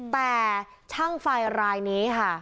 แต่ช่างไฟอะไรอย่างนี้ค่ะ